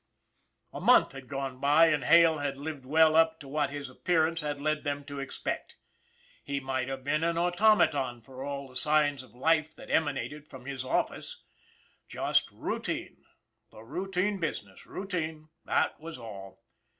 A month had gone by and Hale had lived well up to what his appearance had led them to expect. He might have been an automaton for all the signs of life that emanated from his office. Just routine, the routine business, routine, that was all.